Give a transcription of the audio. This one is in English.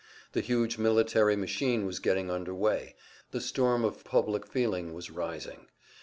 The huge military machine was getting under way, the storm of public feeling was rising.